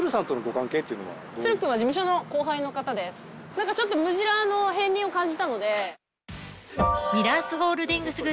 何かちょっとムジラーの片りんを感じたので。